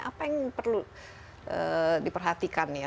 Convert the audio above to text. apa yang perlu diperhatikan ya